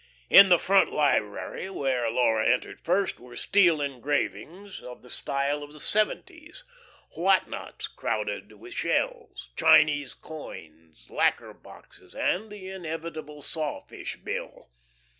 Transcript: In the "front library," where Laura entered first, were steel engravings of the style of the seventies, "whatnots" crowded with shells, Chinese coins, lacquer boxes, and the inevitable sawfish bill.